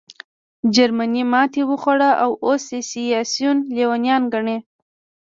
جرمني ماتې وخوړه او اوس یې سیاسیون لېونیان ګڼې